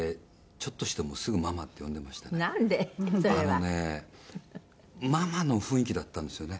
あのねママの雰囲気だったんですよね。